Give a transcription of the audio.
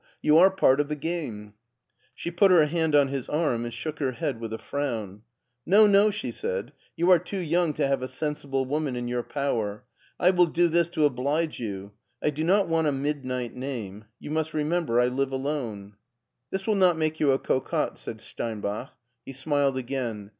You are part of the game !" She put her hand on his arm and shook her head with a frown. " No, no," she said ;" you are too young to have a sensible woman in your power. I will do this to oblige you. I do not want a midnight name. You must remember I live alone." ia6 MARTIN SCHULER '* This will not make you a cocotte," said Steinbach. He smiled again.